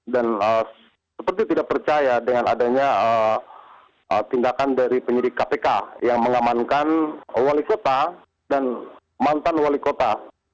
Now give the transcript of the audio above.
dan seperti tidak percaya dengan adanya tindakan dari penyelidik kpk yang mengamankan wali kota dan mantan wali kota